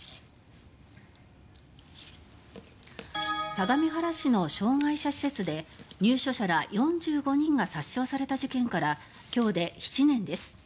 相模原市の障害者施設「津久井やまゆり園」で入所者ら４５人が殺傷された事件から今日で７年です。